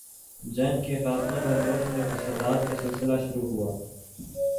جنگ کے خاتمہ پر ملک میں فسادات کا سلسلہ شروع ہوا۔